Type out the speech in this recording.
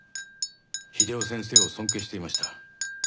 秀雄先生を尊敬していました。